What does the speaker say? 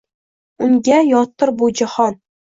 Unga yotdir bu jahon.